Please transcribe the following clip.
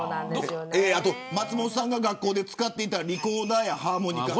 あと松本さんが学校で使っていたリコーダーやハーモニカ。